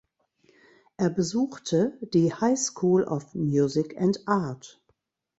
Er besuchte die "High School of Music and Art".